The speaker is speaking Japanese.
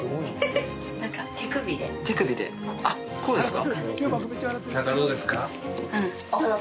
手首であっこうですか？